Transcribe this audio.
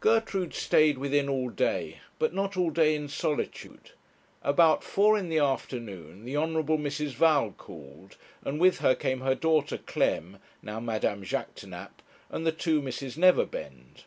Gertrude stayed within all day; but not all day in solitude. About four in the afternoon the Hon. Mrs. Val called, and with her came her daughter Clem, now Madame Jaquêtanàpe, and the two Misses Neverbend.